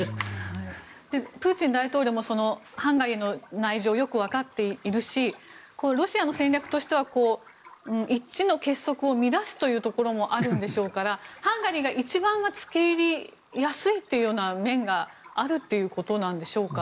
プーチン大統領もハンガリーの内情をよくわかっているしロシアの戦略としては一致の結束を乱すというところもあるでしょうからハンガリーが一番付け入りやすいという面があるということなんでしょうか。